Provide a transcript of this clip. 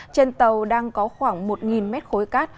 trên tàu đang có khoảng một mét khối cát